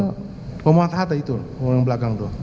pak muhammad hatta itu orang belakang itu